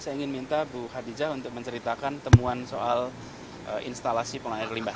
saya ingin minta bu hadijah untuk menceritakan temuan soal instalasi pengelola air limbah